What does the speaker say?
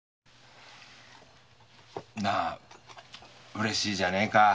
うれしいじゃねえか。